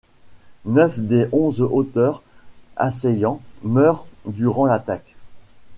Neuf des onze auteurs assaillants meurent durant l'attaque.